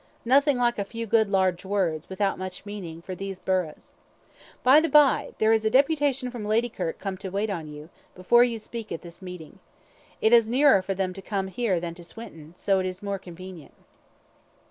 Nothing like a few good large words, with not much meaning, for these burghs. By the by, there is a deputation from Ladykirk come to wait on you, before you speak at this meeting. It is nearer for them to come here than to Swinton, so it is more convenient."